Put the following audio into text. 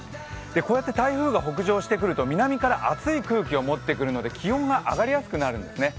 こうやって台風が北上してくると南から熱い空気を持ってくるので気温が上がりやすくなるんですね。